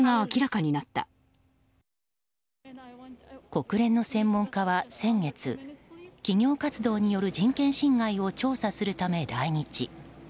国連の専門家は先月企業活動による人権侵害を調査するため来日。